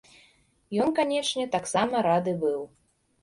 Ён, канечне, таксама рады быў.